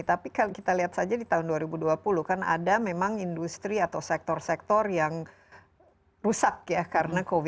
tapi kita lihat saja di tahun dua ribu dua puluh kan ada memang industri atau sektor sektor yang rusak ya karena covid sembilan belas